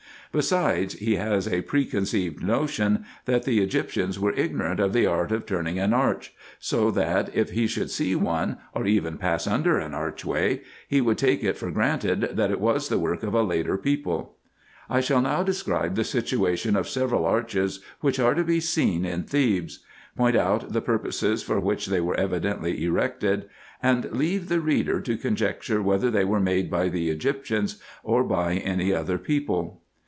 Besides, he has a preconceived notion, IN EGYPT, NUBIA, &c. 177 that the Egyptians were ignorant of the art of turning an arch ; so that, if lie should see one, or even pass under an archway, he would take it for granted, that it was the work of a later people. I shall now describe the situation of several arches, which are to be seen in Thebes; point out the purpose for which they were evidently erected ; and leave the reader to conjecture whether they were made by the Egyptians, or by any other people.